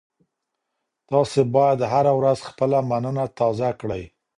تاسي باید هره ورځ خپله مننه تازه کړئ.